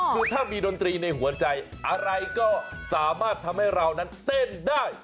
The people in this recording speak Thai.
คือถ้ามีดนตรีในหัวใจอะไรก็สามารถทำให้เรานั้นเต้นได้